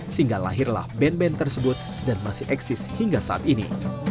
sehingga lahirlah band band tersebut dan masih eksis hingga saat ini